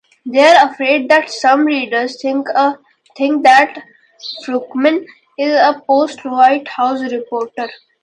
They're afraid that some readers think that Froomkin is a Post White House reporter.